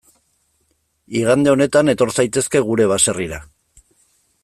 Igande honetan etor zaitezke gure baserrira.